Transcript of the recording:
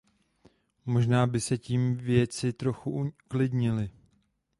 Možná by se tím věci trochu uklidnily.